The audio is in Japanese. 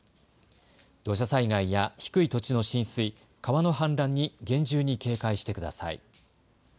土砂災害や低い土地の浸水、川の氾濫に厳重に警戒してください。